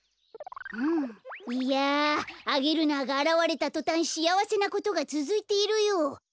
いやアゲルナーがあらわれたとたんしあわせなことがつづいているよ。